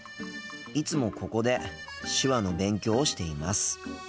いつもここで手話の勉強をしています。